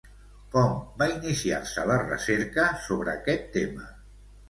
Com va iniciar-se la recerca sobre aquest tema?